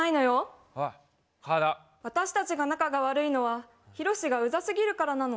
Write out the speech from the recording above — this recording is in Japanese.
・私たちが仲が悪いのはひろしがうざすぎるからなの。